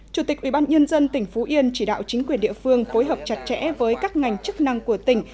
chủ tịch ubnd tỉnh phú yên chỉ đạo chính quyền địa phương phối hợp chặt chẽ với các ngành chức năng của tỉnh